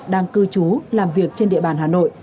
đang cư trú làm việc trên địa bàn hà nội